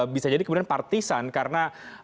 bisa jadi kemudian partisan karena